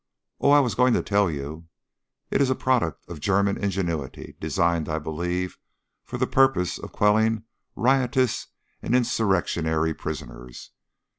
"Oh! I was going to tell you. It is a product of German ingenuity, designed, I believe, for the purpose of quelling riotous and insurrectionary prisoners.